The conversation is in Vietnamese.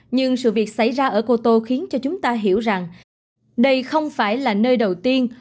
nhưng sự việc xảy ra ở cô tô khiến cho chúng ta hiểu rằng đây không phải là nơi đầu tiên